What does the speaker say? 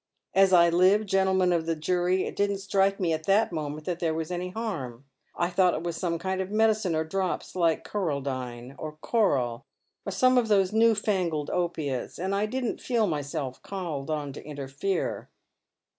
As I live, gentlemen of the jury, it didn't strike me at that moment that there was any harm. I thought it was some kind of medicine or drops, like choraldyne, or choral, or some of those new fangled oppiates, and I didn't feel myself called on to interfere.